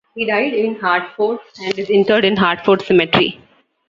He died in Hartford and is interred in Hartford Cemetery.